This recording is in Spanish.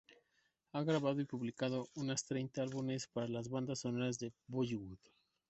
Ha grabado y publicado unas treinta álbumes para las bandas sonoras de Bollywood.